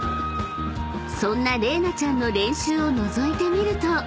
［そんな領那ちゃんの練習をのぞいてみると］